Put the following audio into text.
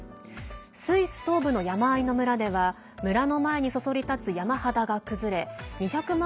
スイス東部の山あいの村では村の前にそそり立つ山肌が崩れ２００万